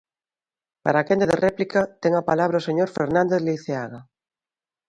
Para a quenda de réplica, ten a palabra o señor Fernández Leiceaga.